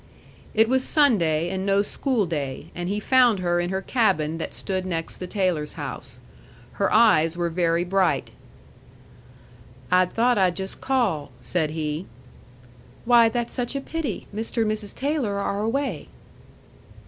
It was Sunday, and no school day, and he found her in her cabin that stood next the Taylors' house. Her eyes were very bright. "I'd thought I'd just call," said he. "Why, that's such a pity! Mr. and Mrs. Taylor are away."